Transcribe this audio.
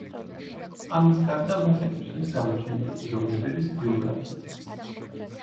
ამის გარდა მას ეკუთვნის გამოჩენილი პიროვნებების ბიოგრაფიები.